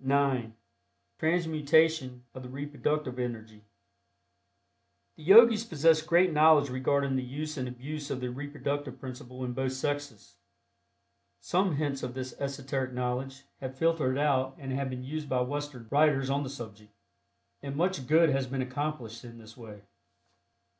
(9) TRANSMUTATION OF THE REPRODUCTIVE ENERGY. The Yogis possess great knowledge regarding the use and abuse of the reproductive principle in both sexes. Some hints of this esoteric knowledge have filtered out and have been used by Western writers on the subject, and much good has been accomplished in this way.